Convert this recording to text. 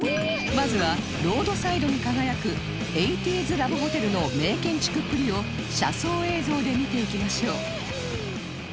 まずはロードサイドに輝く ８０’ｓ ラブホテルの名建築っぷりを車窓映像で見ていきましょう